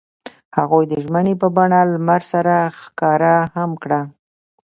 هغوی د ژمنې په بڼه لمر سره ښکاره هم کړه.